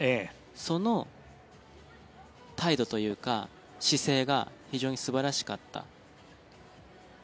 その態度というか姿勢が非常に素晴らしかった。